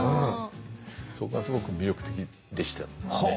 そこがすごく魅力的でしたね。